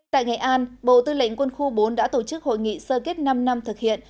tại nghệ an bộ tư lệnh quân khu bốn đã tổ chức hội nghị sơ kết năm năm thực hiện